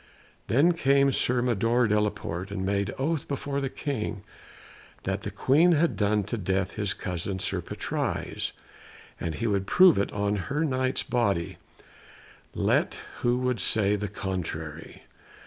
Then came Sir Mador de la Porte, and made oath before the King that the Queen had done to death his cousin Sir Patrise and he would prove it on her Knight's body, let who would say the contrary.